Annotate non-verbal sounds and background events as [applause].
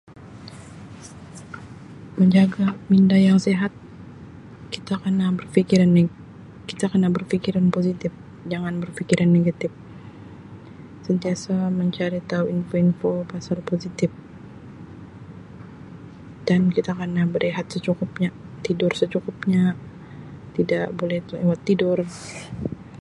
[noise] Menjaga minda yang sihat kita kena berfikiran neg-kita kena berfikiran positip. Jangan berpikiran negatip. Sentiasa mencari tau info-info pasal positip dan kita kana berehat secukupnya, tidur secukupnya, tidak boleh lewat tidur.